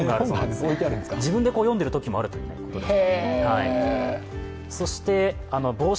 自分で読んでるときもあるそうです。